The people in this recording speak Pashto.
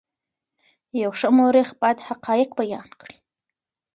یو ښه مورخ باید حقایق بیان کړي.